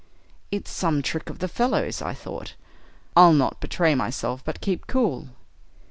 'It's some trick of the fellows,' I thought; 'I'll not betray myself, but keep cool.'